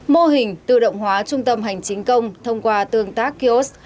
mô hình tự động hóa trung tâm hành chính công thông qua tương tác kiosk